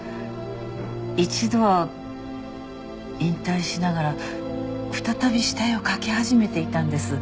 一度引退しながら再び下絵を描き始めていたんです。